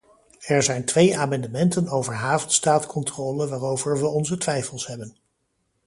Er zijn twee amendementen over havenstaatcontrole waarover we onze twijfels hebben.